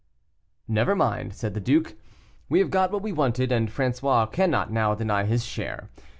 "Never mind," said the duke, "we have got what we wanted, and François cannot now deny his share.